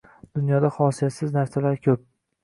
Dunyoda xosiyatsiz narsalar ko’p.